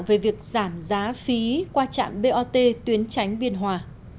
về việc giảm giá phí qua trạm bot tuyến tránh biên hòa